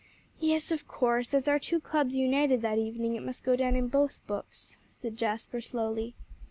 "Yes, of course; as our two clubs united that evening, it must go down in both books," said Jasper slowly.